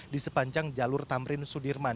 di sepanjang jalur tamrin sudirman